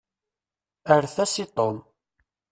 Erret-as i Tom.